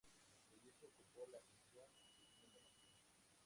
El disco ocupó la posición No.